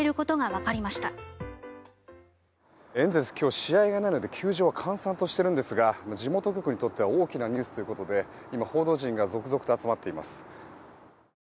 今日は試合がないので球場は閑散としているんですが地元局にとっては大きなニュースということで今、報道陣が続々と集まっています。